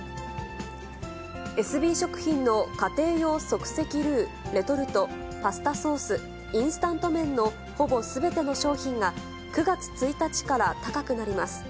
エスビー食品の家庭用即席ルウ、レトルト、パスタソース、インスタント麺の、ほぼすべての商品が、９月１日から高くなります。